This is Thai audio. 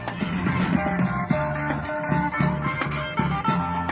สวัสดีครับทุกคน